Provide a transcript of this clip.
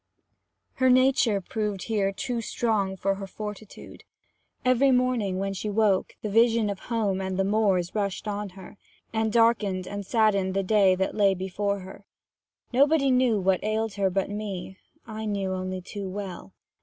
Her nature proved here too strong for her fortitude. Every morning when she woke, the vision of home and the moors rushed on her, and darkened and saddened the day that lay before her. Nobody knew what ailed her but me I knew only too well.